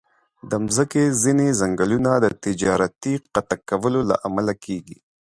د مځکې ځینې ځنګلونه د تجارتي قطع کولو له امله کمېږي.